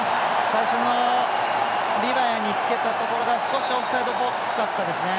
最初のリバヤにつけたところが少しオフサイドっぽかったですね。